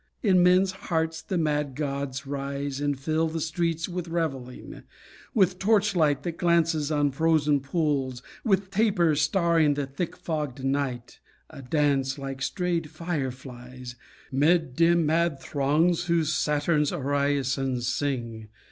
In men's hearts the mad gods rise And fill the streets with revelling, With torchlight that glances on frozen pools, With tapers starring the thick fogged night, A dance, like strayed fireflies, 'Mid dim mad throngs who Saturn's orisons sing.